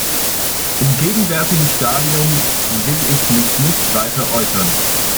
Im gegenwärtigen Stadium will ich mich nicht weiter äußern.